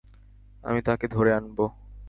আমি তাকে ধরে আনব।